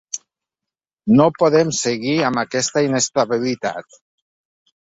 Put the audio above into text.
No podem seguir amb aquesta inestabilitat